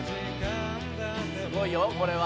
すごいよこれは。